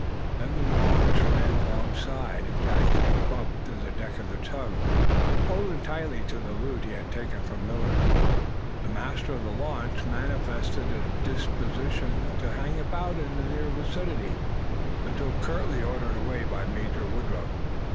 Then the launch ran in alongside, and Jack stepped up to the deck of the tug, holding tightly to the loot he had taken from Millard. The master of the launch manifested a disposition to hang about in the near vicinity, until curtly ordered away by Major Woodruff.